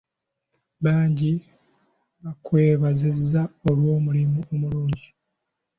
Bangi baakwebaziza olw'omulimu omulungi.